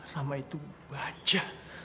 rama itu baja